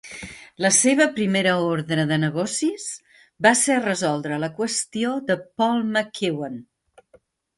La seva primera ordre de negocis va ser resoldre la qüestió de Paul MacEwan.